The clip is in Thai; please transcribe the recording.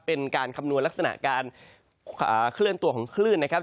เป็นการคำนวณลักษณะการเคลื่อนตัวของคลื่นนะครับ